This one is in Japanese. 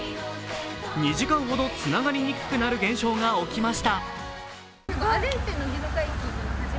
２時間ほどつながりにくくなる現象が起きました。